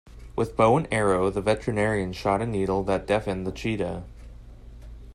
With bow and arrow the veterinarian shot a needle that deafened the cheetah.